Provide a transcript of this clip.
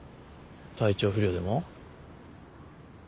体調不良でも？